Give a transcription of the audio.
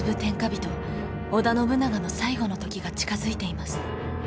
織田信長の最期の時が近づいています。